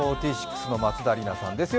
４６の松田里奈さんです。